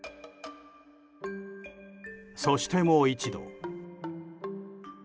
そして、もう一度。